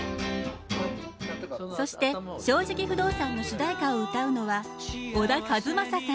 そして「正直不動産」の主題歌を歌うのは小田和正さん。